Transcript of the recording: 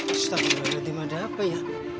astagfirullahaladzim ada apa ya